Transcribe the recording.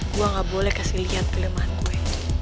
gua ga boleh kasih liat kelemahan gue